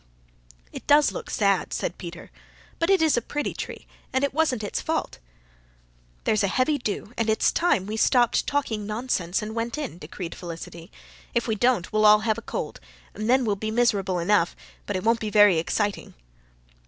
"It does look sad," said Peter, "but it is a pretty tree, and it wasn't its fault." "There's a heavy dew and it's time we stopped talking nonsense and went in," decreed Felicity. "If we don't we'll all have a cold, and then we'll be miserable enough, but it won't be very exciting."